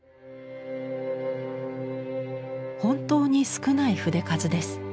本当に少ない筆数です。